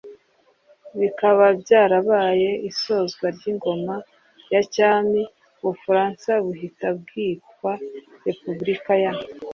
bikaba byarabaye isozwa ry’ingoma ya cyami ubufaransa buhita bwitwa Repubulika ya